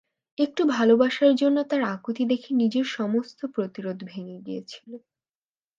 একটু ভালোবাসার জন্য তার আকুতি দেখে নিজের সমস্ত প্রতিরোধ ভেঙে গিয়েছিল।